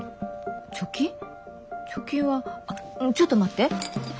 貯金はちょっと待って。